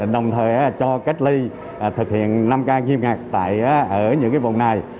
đồng thời cho cách ly thực hiện năm ca nghiêm ngạc tại ở những cái vùng này